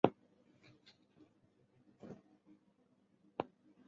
但是有个规则